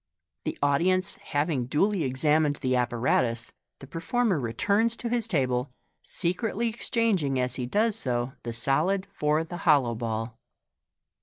The audi ence having duly examined the ap paratus, the performer returns to his table, secretly exchanging as he does so the solid for the hollow ball.